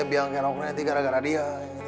yang kenoknya gara gara dia